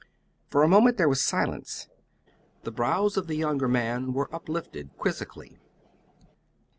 For a moment there was silence. The brows of the younger man were uplifted quizzically.